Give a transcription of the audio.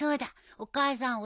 お母さんは。